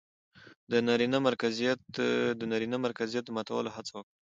د نرينه مرکزيت د ماتولو هڅه وکړه